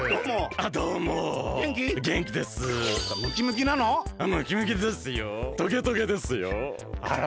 あら。